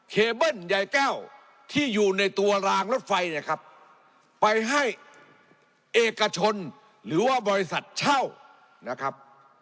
เคเบิ้ลยายแก้วที่อยู่ในตัวรางรถไฟเนี่ยครับไปให้เอกชนหรือว่าบริษัทเช่านะครับ